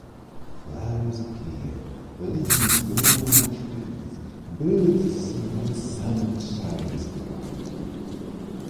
Flowers appear, leaves grow on the trees, birds sing, and the sun shines brightly.